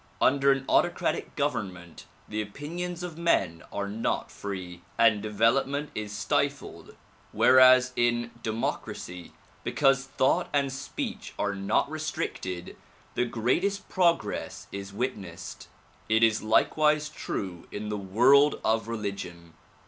Under an autocratic government the opinions of men are not free, and development is stifled whereas in democracy, because thought and speech are not restricted the greatest progress is witnessed. It is likewise true in the world of religion.